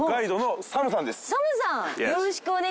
よろしくお願いします。